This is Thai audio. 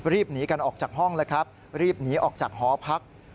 รีบหนีกันออกจากห้องเลยครับรีบหนีออกจากหอพัก